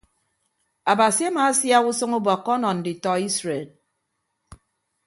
Abasi amaasiak usʌñ ubọkkọ ọnọ nditọ isred.